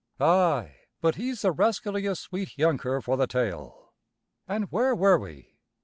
Ay, but he's the rascalliest sweet younker for the tale. An' where were we?